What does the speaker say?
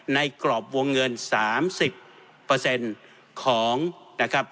ในกรอบวงเงินสามสิบเปอร์เซ็นต์ของนะครับ